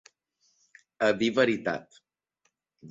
A dir veritat.